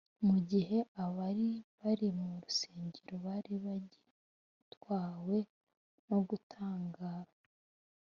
mu gihe abari bari mu rusengero bari bagitwawe no gutangara